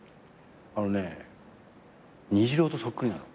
あのね虹郎とそっくりなの。